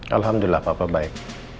alhamdulillah papa baik